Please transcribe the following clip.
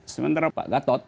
sementara pak gatot